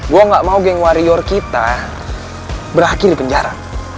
gue gak mau geng warrior kita berakhir di penjara